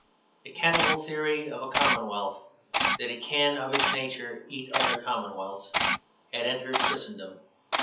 The cannibal theory of a commonwealth, that it can of its nature eat other commonwealths, had entered Christendom.